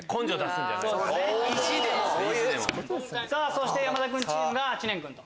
そして山田君チームが知念君と。